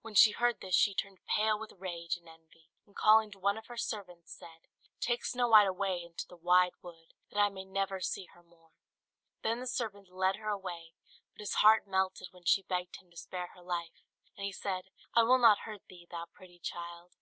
When she heard this she turned pale with rage and envy; and calling to one of her servants said, "Take Snow White away into the wide wood, that I may never see her more." Then the servant led her away; but his heart melted when she begged him to spare her life, and he said, "I will not hurt thee, thou pretty child."